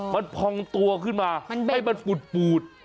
มันพองตัวขึ้นมาให้มันปูด